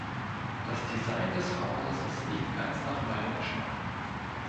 Das Design des Hauses ist nicht ganz nach meinem Geschmack.